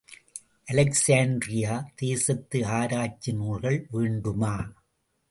Alexandria தேசத்து ஆராய்ச்சி நூல்கள் வேண்டுமா?